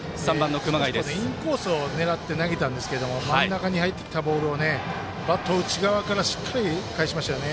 インコースを狙って投げたんですが真ん中に入ってきたボールをバットを内側からしっかり返しましたよね。